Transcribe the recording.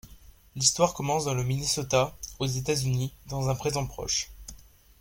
L'histoire commence dans le Minnesota, aux États-Unis, dans un présent proche.